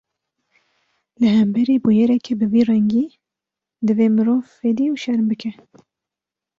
Li hemberî bûyereke bi vî rengî, divê mirov fedî û şerm bike